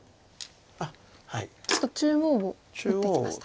ちょっと中央を打ってきました。